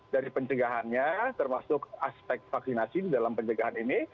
dari pencegahannya termasuk aspek vaksinasi di dalam pencegahan ini